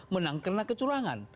menang karena kecurangan